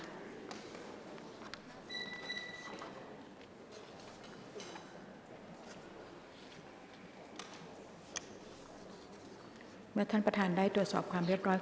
กรรมการท่านที่ห้าได้แก่กรรมการใหม่เลขเก้า